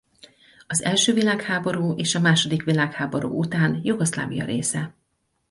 Az első világháború és a második világháború után Jugoszlávia része.